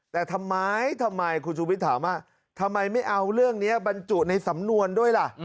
แต่ทำไมทำไมคุณชูวิทย์ถามว่าทำไมไม่เอาเรื่องนี้บรรจุในสำนวนด้วยล่ะ